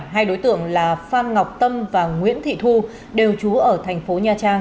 hai đối tượng là phan ngọc tâm và nguyễn thị thu đều trú ở thành phố nha trang